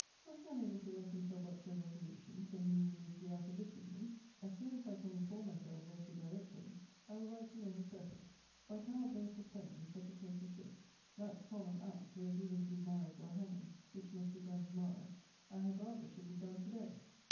Was he unable to work himself up to a resolution, till he knew me to be out of the kingdom? As soon as I can inform myself where to direct to him, I will write to know his purpose; for I cannot bear suspense in such a case as this; that solemn act, were it even to be marriage or hanging, which must be done to morrow, I had rather should be done to day.